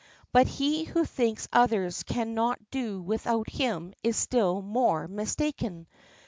But he who thinks others can not do without him is still more mistaken.